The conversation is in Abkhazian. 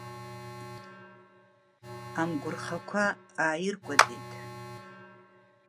Амгәырхақәа ааиркәадеит.